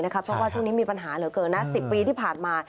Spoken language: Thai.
เพราะว่าช่วงนี้มีปัญหาเหลือเกินนะ๑๐ปีที่ผ่านมา